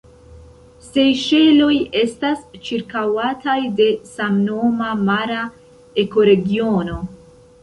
Sejŝeloj estas ĉirkaŭataj de samnoma mara ekoregiono.